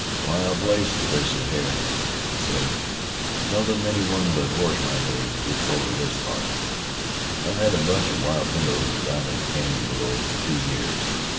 "Wild place this is hyar," he said. "Seldom any one but horse wranglers gits over this far. I've hed a bunch of wild pintos down in a canyon below fer two years.